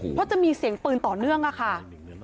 เพราะจะมีเสียงปืนต่อเนื่องอะค่ะ